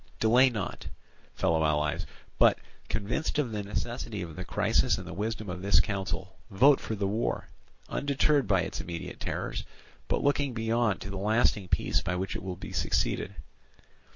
Delay not, fellow allies, but, convinced of the necessity of the crisis and the wisdom of this counsel, vote for the war, undeterred by its immediate terrors, but looking beyond to the lasting peace by which it will be succeeded.